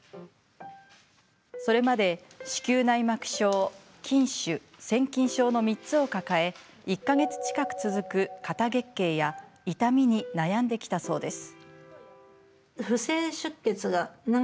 それまで、子宮内膜症、筋腫腺筋症の３つを抱え１か月近く続く過多月経や痛みに悩んできたそうです。